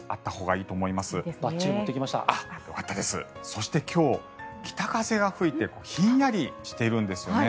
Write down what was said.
そして今日、北風が吹いてひんやりしているんですね。